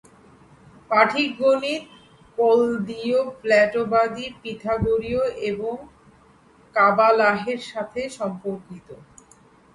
পাটীগণিত কল্দীয়, প্লেটোবাদী, পিথাগোরীয় এবং কাবালাহের সাথে সম্পর্কিত।